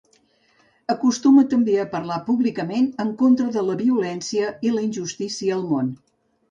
Acostuma també a parlar públicament en contra de la violència i la injustícia al món.